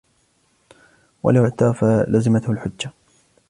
وَلَوْ اعْتَرَفَ لَزِمَتْهُ الْحُجَّةُ